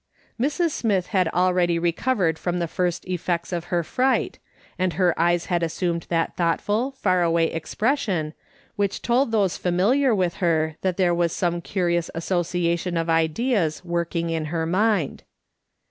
Mrs. Smith had already recovered from the first effects of her fright, and her eyes had assumed that thoughtful, far away expression, which told those familiar with her that there was some curious associa tion of ideas working in her mind.